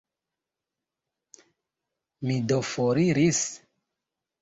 Mi do foriris.